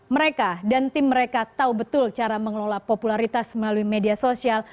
mereka dan tim mereka tahu betul cara mengelola popularitas melalui media sosial